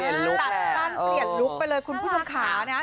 ตัดสั้นเปลี่ยนลุคไปเลยคุณผู้ชมขานะฮะ